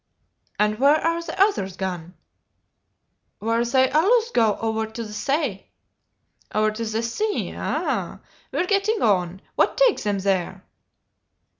"And where are the others gone?" "Where they allus go, ower to t' say." "Over to the sea, eh? We're getting on! What takes them there?"